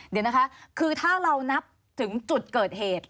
เดี๋ยวนะคะคือถ้าเรานับถึงจุดเกิดเหตุ